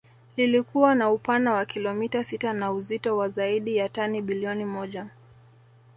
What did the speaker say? Liilikuwa na upana wa kilometa sita na uzito wa zaidi ya tani bilioni moja